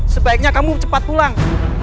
sebaiknya kamu cepat pulang